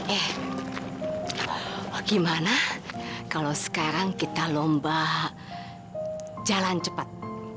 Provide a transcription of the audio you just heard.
eh gimana kalau sekarang kita lomba jalan cepat